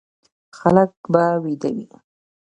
خلک به ويده وي،